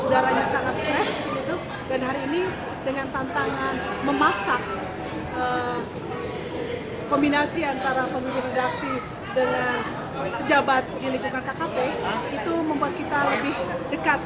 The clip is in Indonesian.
udaranya sangat fresh dan hari ini dengan tantangan memasak kombinasi antara pemilik redaksi dengan pejabat di lingkungan kkp itu membuat kita lebih dekat